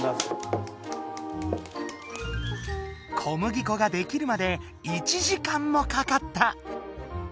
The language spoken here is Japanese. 小麦粉ができるまで１時間もかかった。